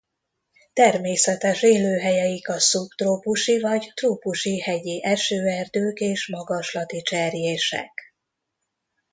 Természetes élőhelyeik a szubtrópusi vagy trópusi hegyi esőerdők és magaslati cserjések.